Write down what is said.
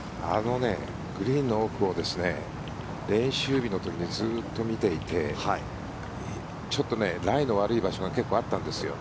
あのグリーンの奥を練習日の時にずっと見ていてちょっとライの悪い場所が結構あったんですよ。